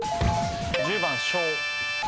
１０番笙。